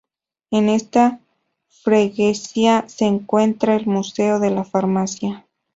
En esta freguesia se encuentra el Museo de la Farmacia